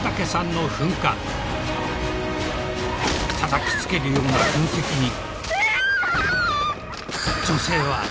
［たたきつけるような噴石に］